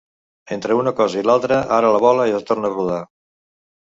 Entre una cosa i l'altra, ara la bola ja torna a rodar.